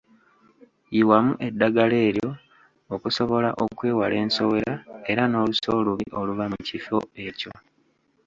Yiwamu eddagala eryo okusobola okwewala ensowera era n‘olusu olubi oluva mu kifo ekyo.